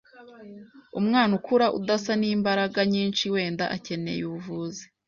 Umwana ukura udasa nimbaraga nyinshi wenda akeneye ubuvuzi.